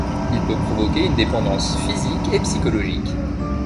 Il peut provoquer une dépendance physique et psychologique.